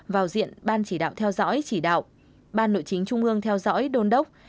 vào diện ban chỉ đạo theo dõi chỉ đạo ban nội chính trung ương theo dõi đôn đốc